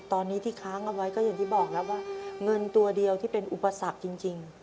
ตอนนี้ที่ค้างเอาไว้ก็อย่างที่บอกแล้วว่าเงินตัวเดียวที่เป็นอุปสรรคจริง